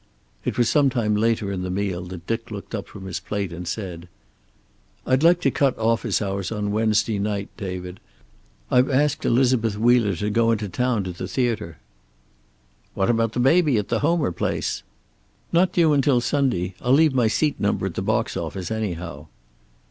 It was sometime later in the meal that Dick looked up from his plate and said: "I'd like to cut office hours on Wednesday night, David. I've asked Elizabeth Wheeler to go into town to the theater." "What about the baby at the Homer place?" "Not due until Sunday. I'll leave my seat number at the box office, anyhow."